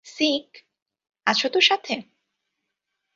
Sick, আছো তো সাথে?